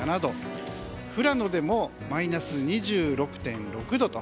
富良野でもマイナス２６．６度。